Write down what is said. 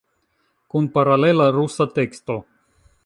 Kun paralela rusa teksto.